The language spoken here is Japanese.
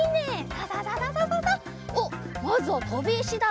おっまずはとびいしだ。